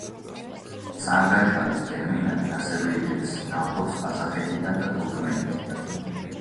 სანგაჩალის ტერმინალი ასევე იღებს ნავთობს ყაზახეთიდან და თურქმენეთიდან.